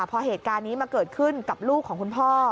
พอเหตุการณ์นี้มาเกิดขึ้นกับลูกของคุณพ่อ